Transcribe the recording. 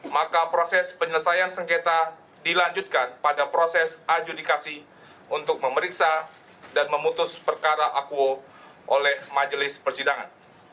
maka proses penyelesaian sengketa dilanjutkan pada proses adjudikasi untuk memeriksa dan memutus perkara akuo oleh majelis persidangan